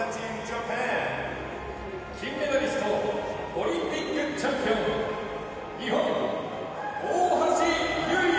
金メダリストオリンピックチャンピオン日本、大橋悠依！